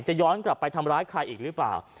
ย้อนกลับไปทำร้ายใครอีกหรือเปล่า